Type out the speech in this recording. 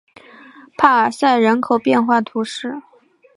帕尔塞人口变化图示